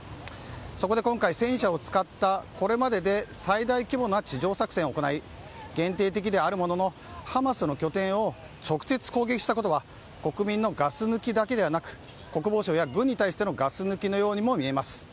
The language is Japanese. そこで今回戦車を使ったこれまでで最大規模の地上作戦を行い限定的ではあるもののハマスの拠点を直接攻撃したことは国民のガス抜きだけでなく国防省や軍に対するガス抜きのようにも見えます。